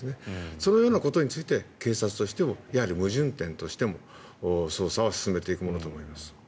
そのようなことについて警察としても矛盾点としても捜査は進めていくものと思います。